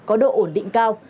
có độ ổn định cao